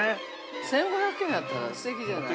◆１５００円だったらすてきじゃない？